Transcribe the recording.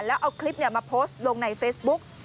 แล้วเอาคลิปมาโพสต์ลงในเฟซบุ๊ก